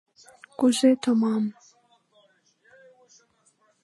— Кузе томам?